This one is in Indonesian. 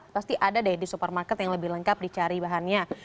pasti ada deh di supermarket yang lebih lengkap dicari bahannya